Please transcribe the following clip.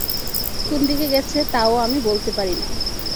কোন দিকে গেছে তাও আমি বলতে পারি না।